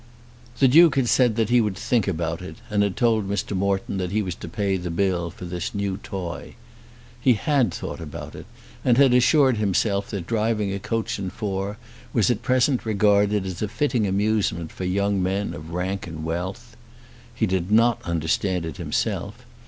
The Duke had said that he would think about it, and then had told Mr. Morton that he was to pay the bill for this new toy. He had thought about it, and had assured himself that driving a coach and four was at present regarded as a fitting amusement for young men of rank and wealth. He did not understand it himself.